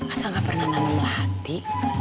asal gak pernah nama melati